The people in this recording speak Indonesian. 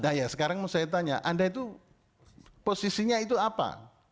nah ya sekarang mau saya tanya anda itu posisinya itu apa